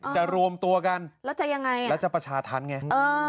จะรวมตัวกันแล้วจะประชาธรรมไง